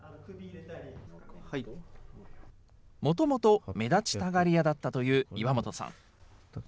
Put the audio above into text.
もともと目立ちたがり屋だったという岩元さん。